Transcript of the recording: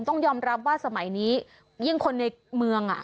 ต้องยอมรับว่าสมัยนี้ยิ่งคนในเมือง